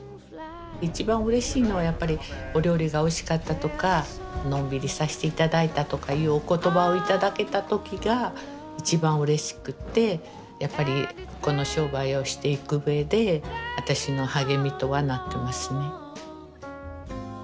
一番うれしいのはやっぱりお料理がおいしかったとかのんびりさして頂いたとかいうお言葉を頂けた時が一番うれしくてやっぱりこの商売をしていくうえで私の励みとはなってますね。